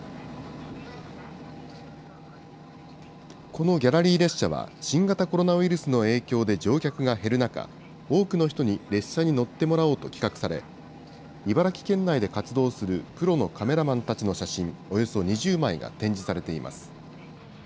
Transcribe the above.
このギャラリー列車は、新型コロナウイルスの影響で乗客が減る中、多くの人に列車に乗ってもらおうと企画され、茨城県内で活動するプロのカメラマンたちの写真およそ２０枚が展示されています。